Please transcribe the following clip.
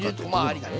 ありだね。